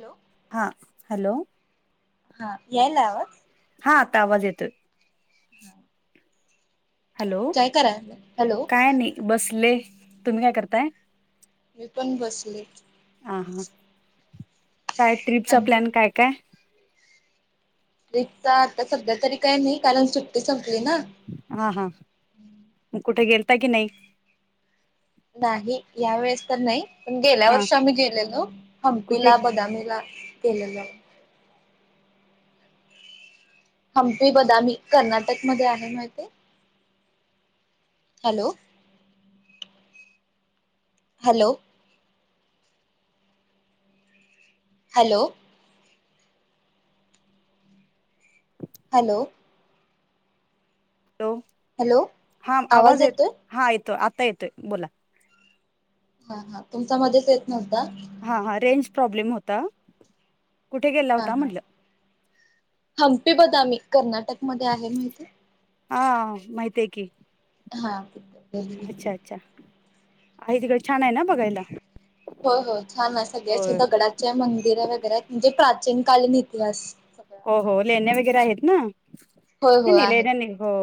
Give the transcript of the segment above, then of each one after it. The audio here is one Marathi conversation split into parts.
हॅलो हा, हॅलो. हा यायलाय आवाज हा आता आवाज येतोय. हा. हॅलो, हॅलो [inaudible] काय नाही बसले. तुम्ही काय करताय? मी पण बसले. हा, हा काय ट्रिपचा प्लॅन काय काय? आता सध्या तरी काही नाही कारण सुट्टी संपली. ना हा हा कुठे गेलता कि नाही? [inaudible] नाही या वेळेस तर नाई. पण गेल्या हा वर्षी आम्ही गेलेलो कुठे हंपीला बदामीला गेलेलो. हंपी बदामी कर्नाटक मध्ये आहे माहिताय. Hello. Hello. Hello. Hello. Hello hello हा आवाज येत हा येतोय आता येतोय बोला. हा हा तुमचा मधेच येत न्हवता. हा हा रेंज प्रॉब्लेम होता. कुठे गेला हा होता हा म्हटलं हंपी बदामी कर्नाटक मध्ये आहे माहिताय? हा माहित हाय की. हा. अच्छा अच्छा आहे तिकड छान आहे ना बघायला हो हो छान अ सगळ्या होय दगडाचे मंदिर वगैरे म्हणजे प्रा चीन कालीन इतिहास सगळं आहे हो हो लेण्या तिथे. वगैरे आहेत ना नई नई लेण्या नाही हो.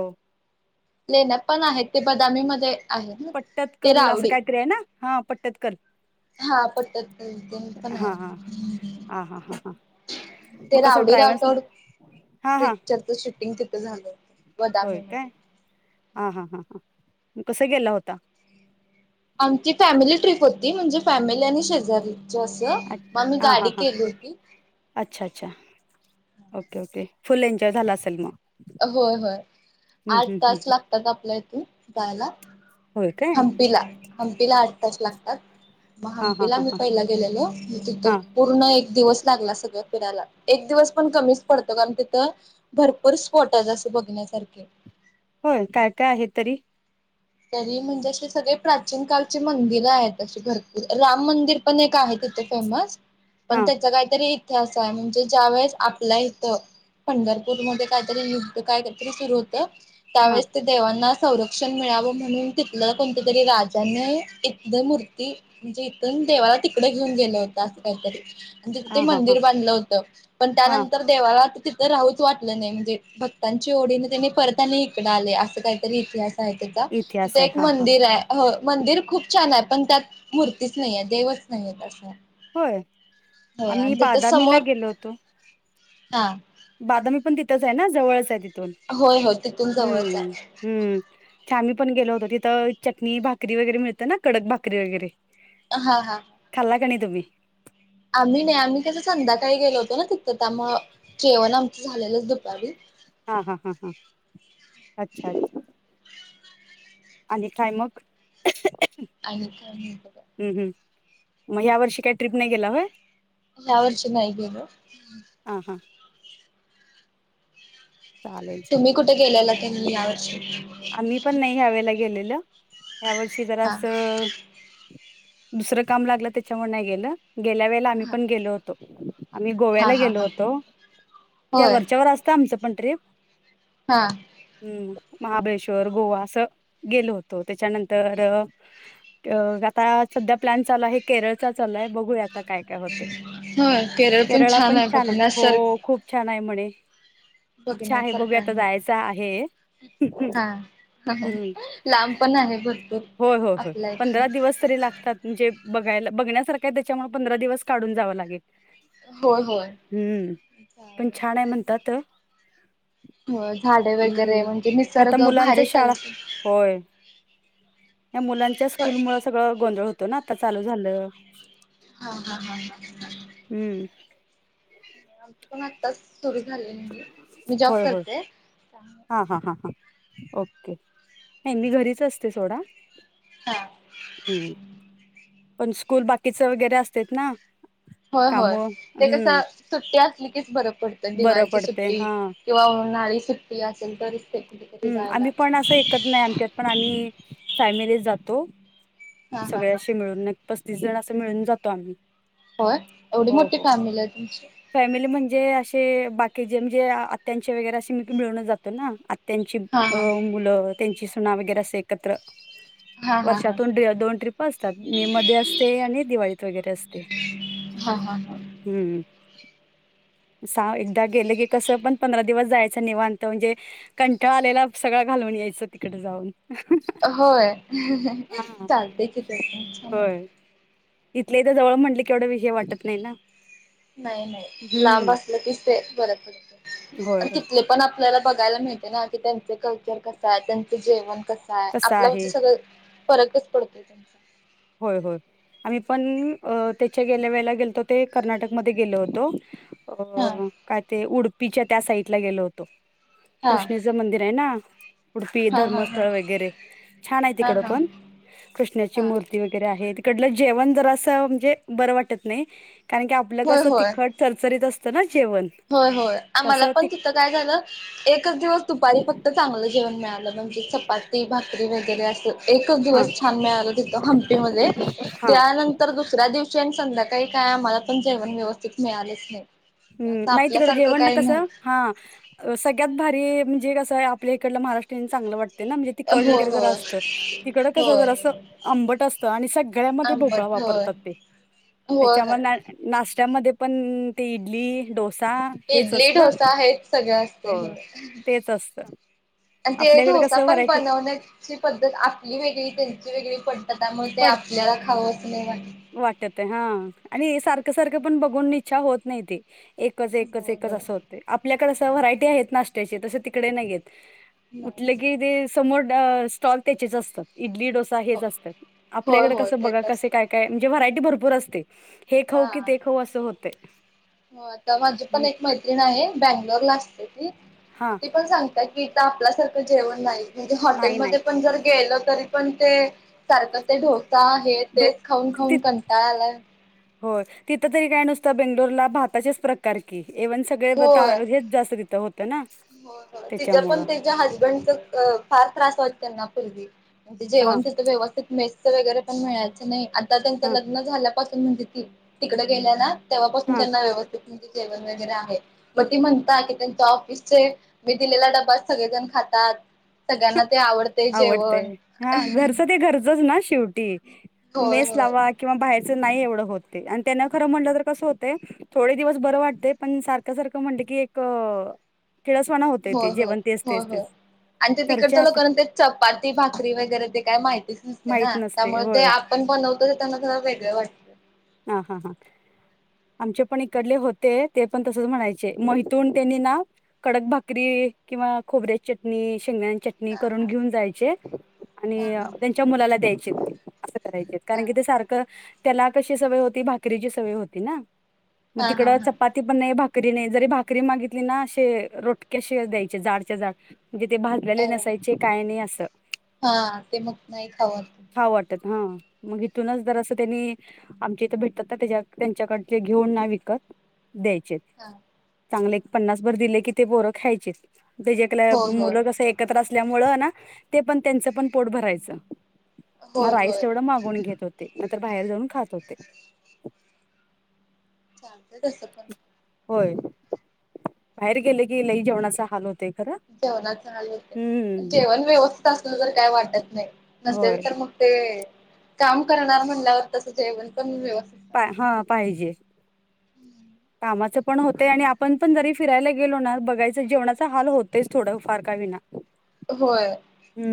लेण्यात पण आहेत ते बदामी मध्ये आहेत ना पट्टत ते कल असं रावडी काहीतरी आहे ना हा पट्टत कल. हा पट्टत कल तून पण हाय. हा हा हा हा हा ते मग कसं रावडी ट्रॅव्हल्स राठोड हा हा पिक्चरच शूटिंगि तिथं झालं बदामी होय काय मध्ये. हा हा हा हा कस गेला होता? आमची फॅमिली ट्रिप होती म्हणजे फॅमिली आणि शेजारी. जे असं मग मी हा हा गाडी हा केली होती. अच्छा अच्छा ओके ओके फुल एन्जॉय झाला असेल मग. होय होय हम्म आठ हम्म तास हम्म लागतात आपल्या इथून जायला. होय काय हंपीला हंपीला आठ तास लागतात. म हा हा हंपीला हा आम्ही हा पहिला गेलेलो तिथ हा पूर्ण एक दिवस लागला सगळ फिरायला एक दिवस पण कमीच पडतो कारन तिथ भरपूर पोट जसं बघण्यासारखे. होय काय काय आहे तरी? तरी म्हणजे असे सगळे प्राचीन काळचे मंदिरं आहेत अशी भरपूर राम मंदिर पण एक आहे. तिथे फेमस हा पण त्याचा काहीतरी इतिहास हाय म्हणजे ज्या वेळेस आपल्या इथं पंढरपूरमध्ये काहीतरी युद्ध कायतरी सुरू होतं हा त्यावेळेस ते देवांना संरक्षण मिळावं म्हणून तिथलं कोणत्या तरी राजान इथली मूर्ती म्हणजे इथून देवाला तिकड घेऊन गेला होता अस काही तरी ते तिथं हा हा हा मंदिर बांधलं होत पण हा त्यानंतर देवाला आ तर राहूच वाटलं नाही म्हणजे भक्तांची ओढीने त्यांनी परतानी इकडं आले असं काहीतरी इतिहास आहे तेचा. इतिहास तिथे आहे एक हा हा मंदिर हाय ह मंदिर खूप छान आहे पण त्यात मूर्तीच नैयेय देवच नैयेत असं. होय होय आम्ही आणि त्याच्या बादामीला समोर गेलो होतो. हा. बादामी पण तिथंच आहे ना जवळच आहे तिथून होय होय तिथून जवळच हम्म आहे हम्म. च आम्ही पण गेलो होतो तिथं चटणी भाकरी वगैरे मिळतं ना कडक भाकरी वगैरे. अ हा हा. ला गणी तुम्ही. आम्ही नाई आम्ही कसं संध्याकाळी गेलो होतो ना तिथं त्यामुळं जेवण आमचं झालेलंच दुपारी. हा हा हा हा अच्छा अच्छा. आणि काय मग? आणि काय बगा म या वर्षी काय ट्रिप नाही गेला होय यावर्षी नाय गेलो हां हां चालेल तुम्ही चालेल कुठे गेलेला की नाही या वर्षी आम्ही पण नाही ह्यावेेळेला गेलेलं ह्या वर्षी जरा हा असं दुसरं काम लागलं त्याच्यामुळ नाही गेलं गेल्या वेळेला आम्ही हा पण गेलो होतो आम्ही हा गोव्याला हा गेलो हा होतो [unintelligible] होय वरच्यावर असतं आमचं पण ट्रिप हा हम्म महाबळेश्वर गोवा असं गेलो होतो त्याच्यानंतर अ.. अ आता सध्या प्लॅन चालू आहे केरळ चा चालाय बघूयात आता काय काय होतंय केरळला पण छान आहे हो.. खूप छान आहे म्हणे इच्छा आहे बघुयात आता जायचं आहे हा हम्म. ह-ह-ह लांब पण आहे भर होय होय होय पंधरा दिवस तरी लागतात म्हणजे बघायला-बघण्यास सारखं आहे त्यामुळं पंधरा दिवस काढून जावं लागेल होय होय हम्म पण छान आहे म्हणतात होय झाडे वगैरे हम्म. म्हणजे आता निसर्ग मुलांच भारी शाळा चालतं होय. या मुलांच्या स्कूलमुळं सगळं गोंधळ होतो ना आता चालू झालं हा हा हा हा ह हम्म. आमचं पण आत्ताच सुरू झाले नाही मी जॉब होय, होय. करते त्यामुळं हां, हां, हां, हां. ओके नाही मी घरीच असते सोडा हा हम् पण स्कूल बाकीचं वगैरे असतेत ना होय होय कामं. ते हम्म. कसं सुट्टी असली कीच बरं पडतंय बरं दिवाळी पडते. सुट्टी हां. किंवा उन्हाळी सुट्टी असेल तरच ते कुठेतरी हम्म जायला आम्ही पण असं एकत नाही आमच्यात पण आम्ही फॅमिलीच जातो हा हा हा सगळ्याशी मिळून पस्तीस जण असं मिळून जातो आम्ही होय एवढी हो मोठी हो. फॅमिलीये तुमची फॅमिली म्हणजे असे बाकी जे म्हणजे आ-आत्यांचे वगैरे असे म- मिळून जातो ना त्यांची हा अ.. मुलं त्यांची सुना वगैरे असे एकत्र हा हा हा हा वर्षातून [unintelligible] दोन ट्रिप असतात मे मध्ये असते आणि दिवाळीत वगैरे असते [unintelligible] हा हा हा हम्म एकदा गेलं की कसं पण पंधरा दिवस जायचं निवांत म्हणजे कंटाळा आलेला सगळा घालवून यायचं तिकडं जाऊन होय हा चालते की ते छान इथले इथं जवळ म्हटलं की एवढं विषय वाटत नाही ना नाही नाही लांब हम्म असलं कीच ते बरं पडतं होय आणि तिथले पण आपल्याला बघायला मिळते ना की त्यांचं कल्चर कसंय त्यांचं जेवण कसंय तसं आहे. आपल्यांकडच सगळं फरकच पडतोय तुमचा होय होय आम्ही पण अ.. त्याच्या गेल्या वेळेला गेलतो ते कर्नाटकमध्ये गेलो होतो हा अ.. काय ते उडुपीच्या त्या साइडला गेलो होतो हा कृष्णेचं मंदिर आहे ना उडपी हा हा हा धर्मस्थळं वगैरे छानय हा तिकडं हा पण कृष्णाची हा मूर [unintelligible] तिकडलं जेवण जरासं म्हणजे बरं वाटत नय कारण की आपलं होय कसं होय तिखट चरचरीत असतं ना जेवण होय होय आम्हाला तसं ति पण तिथं काय झालं एकच दिवस दुपारी फक्त चांगलं जेवण मिळालं म्हणजे चपाती भाकरी वगैरे असं एकच हा दिवस छान मिळालं तिथं हंपीमध्ये हा त्यानंतर दुसऱ्या दिवशी संध्याकाळी काय आम्हाला पण जेवण व्यवस्थित मिळालेच नाही असं हम् नाही तिकडं आपल्यासारखं जेवण ना काही कसं नव्हतं हा अ.. सगळ्यात भारी जे कस आहे आपल्या इकडच महाराष्ट्रीयन चांगलं वाटतं म्हणजे ते कट होय वगैरे जरा होय असतं तिकड कसं जर होय असं आंबट असतं आणि सगळ्यामध्ये भोपळा वापरतात आंबट होय होय होय त्यांच्यामध्ये नाष्टा मध्ये पण इडली डोसा हेच इडली असतं ढोसा आहेच सगळे असते होय तेच असतं आणि ते आपल्याकडे डोसा कसं पण व्हरायटी बनवण्याची पद्धत आपली वेगळी त्यांची वेगळी पद्धत तर त्यामुळे ते पडतं आपल्याला खावंच नाही वाटत वाटत आहे हा आणि सारखं सारखं पण बघून इच्छा होत नाही ती एकच एकच होय एकच होय. असं होत आपल्याकडे असं व्हरायटी आहेत नाश्त्याची तसे तिकडे नाही आहेत नाही उठलं की ते समोर स्टॉक त्याचेच असतात इडली डोसा हेच असतात होय आपल्याकडे होय कसं बघा तेच कसे असतं काय काय म्हणजे व्हरायटी भरपूर असते हे हा खाऊ की ते खाऊ असं होते हो आता माझी पण हम्म, एक मैत्रिण आहे बँंगलोर ला असते हा ते पण सांगता की इथं आपल्यासारखं जेवण नाही म्हणजे नाही नाही हॉटेलमध्ये पण जर गेलं तरी पण ते सारखं ते डोसा आहे डो तेच खाऊन खाऊन कंटाळा आलाय होय तिथं तरी काय नुसतं बेंगलोरला भाताचेच प्रकार की इव्हन सगळे होय. हेच जास्त तिथं होतं ना हो तिच्या पण त्याच्यामुळं तिच्या हसबंडच फार त्रास होत त्यांना पूर्वी हा जेवण तिथ व्यवस्थित मेसच वगैरे पण मिळायचं नाही आता त्यांच हा लग्न झालं म्हणजे तिकडे गेल्या ना तेव्हापासून हा त्यांना व्यवस्थित व्यवस्थित जेवण वगैरे आहे पण ती म्हणते ना मी दिलेला डबा सगळेजण खातात सगळ्यांना ते आवडते जेवण आवडतय हा घरचं ते घरचच ना शेवटी होय मेस होय लावा किंवा बाहेर नाही एवढं होत ते आणि त्यांना खरं म्हटलं तर कसं होतंय थोडे दिवस बरं वाटतंय आणि सारखं सारखं म्हटलं की एक किळसवाणा होतय ते होय होय जेवन तेच होय तेच होय तेच आणि घरच्या तिकडच्या हात लोकांना ते चपाती भाकरी वगैरे ते काय माहिती माहित नसते त्यामुळे ते होय आपण बनवतो त्यांना वेगळे वाटत हा हा हा आमचे पण इकडले होते ते पण तसच म्हणायचे मग इथून त्यांनी ना कडक भाकरी किंवा खोबऱ्याची चटणी शेंगदान्याची चटणी हा करून हा घेऊन जायचे आणि हा हा त्यांच्या मुलाला द्यायचे असं करायचे कारण की ते सारखं त्याला कशी सवय होती भाकरीची सवय होती ना मग हा हा तिकड हा हा चपाती पण नाही भाकरी भाकरीने जरी भाकरी मागितली ना असे रोटक्याशी द्यायचे जाडच्या जाड म्हणजे ते अ भाजलेले नसायचे काय नाही असं हा ते मग नाही खाऊ खाऊ वाटत हा मग इथूनच जरासं त्यांनी आमच्या इथं भेटतात तर त्या त्यांच्याकडून घेऊन ना विकत द्यायचे हा चांगले पन्नास भर दिले कि ते पोरं खायचीत होय मुल होय अस एकत्र असल्या ना ते पण त्यांच पण पोट भरायचं मग होय राईस होय तेवढ मागून घेत होते नाहीतर बाहेर जाऊन खात होते चालतंय तसं पण होय बाहेर गेले की लई जेवणाचा हाल होत जेवणाच हाल होते जेवण व्यवस्थित असलं तर काय वाटत नाही होय नसेल तर मग ते काम करणार म्हणल्यावर तसं जेवण पण व्यवस्थित पाहिजे हा ना पाहिजे. कामाच पण होते आणि आपण पण जरी फिरायला गेलो ना बघायचं जेवणाचा हाल होतेच थोडं फार का होईना होय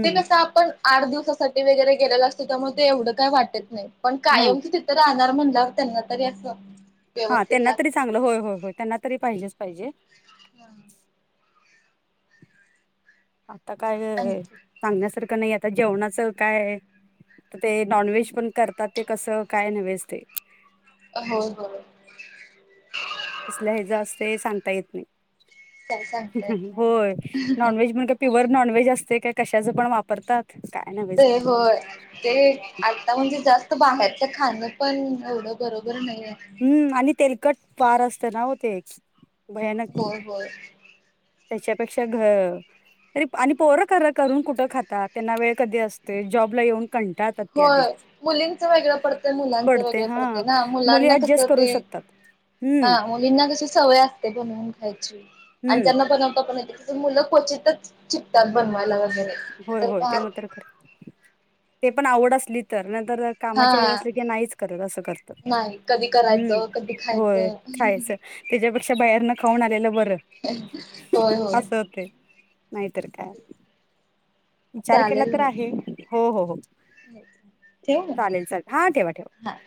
ते कस आपण आठ दिवसासाठी वगैरे गेलेलं असतंय तर मग ते एवढं काही वाटत नाही पण हा कायमच तिथं राहणार म्हणल्यावर त्यांना तरी असं हा व्यवस्थित त्यांना तरी लागतंय चांगलं होय होय होय त्यांना तरी पाहिजेच पाहिजे हा आता काय आणखी सांगण्यासारखं नाही आता जेवणाचं काय तर ते नॉनव्हेज पण करतात ते कसं काय नव्हेच ते होय होय कसल्या हेज असतय सांगता येत नाही काय सांगता येत नाही होय मला नॉनव्हेज म्हण का प्युअर नॉनव्हेज असतय ते काय कशाच पण वापरतात काय नव्हेच ते होय ते आता म्हणजे जास्त बाहेरच खाणं पण एवढं बरोबर नाहीये. हम्म आणि तेलकट फार असत ना होते होय होय त्याच्यापेक्षा घ तरी आणि पोरं खर करून कुठं खातात त्यांना वेळ कधी असतोय जॉबला येऊन कंटाळतात ते होय आधीच मुलींचं वेगळं पडतंय मुलांचं पडते वेगळं हां, पडतंय ना मुली मुलांना कसं ॲडजस्ट करू ते शकतात. हा हं, मुलींना कशी सवय असते. बनवून खायची आणि हं. त्यांना बनवता पण मुलं क्वचितच शिकतात हो, बनवायला वगैरे होय, तर होय. ते फार मात्र खरं. ते पण आवड असली तर कामाच्या हेचात असलं की नाहीच करत असं करतात नाही कधी हम्म करायचं कधी होय खायचं [unintelligible] त्याच्यापेक्षा बाहेर न खाऊन आलेलं बर होय होय तर काय विचार केला चालेल तर मग आहे हो हो हो ठेवू मग चालेल चालेल हा ठेवा ठेवा हा.